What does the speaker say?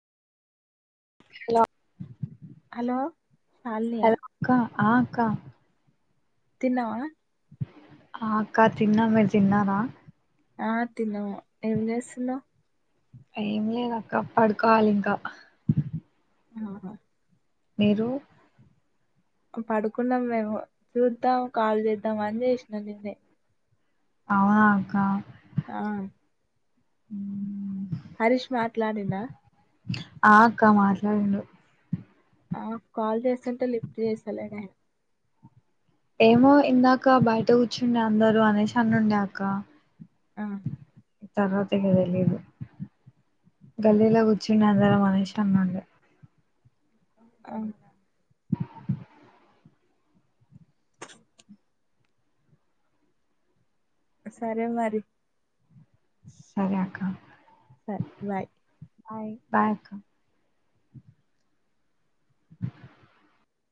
hello hello ఆల్ నియా hello అక్క ఆ అక్క తిన్నవా ఆ అక్క తిన్న మీర్ తిన్నరా ఆ తిన్నము ఎమ్ జేస్తునవు ఏం లేద్ అక్క పడ్ కోవల్ ఇంకా ఆహా మీరు పడుకున్నాం మేము సుద్దాం కాల్ జేద్దామని అన్ జేష్ నా నిన్నే ఔనాక్క ఆ ఉమ్ హరీష్ మాట్లాడిండా ఆ అక్క మాట్లాడిండు ఆ కాల్ జేస్తుంటే లిఫ్ జేస్తలేడే ఏమో ఇందాక బయట కూచుండే అందరూ అనేశ్ అన్ నుండే అక్క ఆ తర్ వత్ ఇగ తెలీదు గల్లీలో కూచుండే అందరమనేషి అన్నుండే ఔన సరే మరి సరే అక్క సరే బయ్ బాయ్ బాయ్ అక్క డిష్